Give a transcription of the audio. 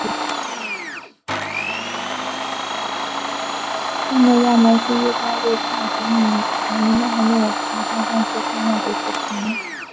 圣若望门是意大利圣吉米尼亚诺城墙上最重要的一个城门。